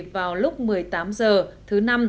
vào lúc một mươi tám h thứ năm